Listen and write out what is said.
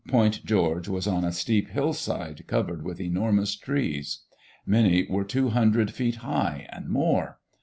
Point George was on a steep hill side, covered with enormous trees. Many were two hun dred feet high and more.